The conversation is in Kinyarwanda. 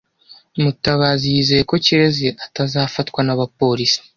Mutabazi yizeye ko Kirezi atazafatwa n’abapolisi.